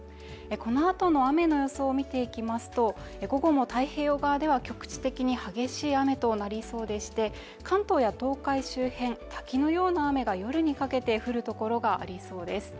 このあとの雨の予想を見ていきますと午後も太平洋側では局地的に激しい雨となりそうで関東や東海周辺、滝のような雨が、夜にかけて降るところがありそうです。